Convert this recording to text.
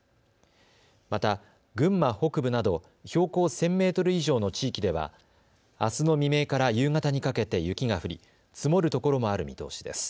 また、群馬北部など標高１０００メートル以上の地域ではあすの未明から夕方にかけて雪が降り積もるところもある見通しです。